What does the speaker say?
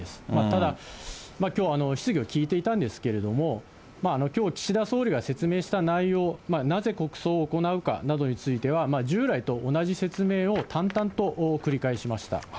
ただ、きょう、質疑を聞いていたんですけれども、きょう、岸田総理が説明した内容、なぜ国葬を行うかなどについては、従来と同じ説明を淡々と繰り返しました。